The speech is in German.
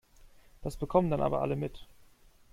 Das bekommen dann aber alle mit.